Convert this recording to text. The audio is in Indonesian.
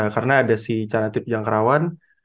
karena ada si chanathip jangkrawan